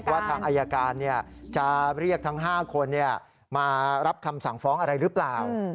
ว่าทางอายการจะเรียกทั้ง๕คนมารับคำสั่งฟ้องอะไรหรือเปล่า